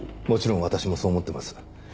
もちろん私もそう思ってます。